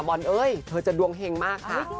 บอลเอ้ยเธอจะดวงเห็งมากค่ะ